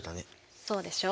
そうでしょ？